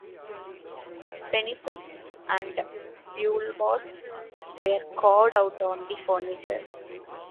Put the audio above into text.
Penises and vulvas were carved out on the furniture.